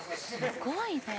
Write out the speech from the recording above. すごいね。